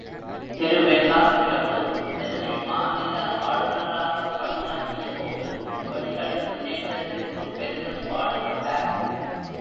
திரு Wenlock பிரபு சென்னை மாநில ஆளுநராகப் பணியாற்றிய போது, இவ்வெளிகளின் முன்னேற்றத்திற்குப் பெரிதும் பாடுபட்டார்.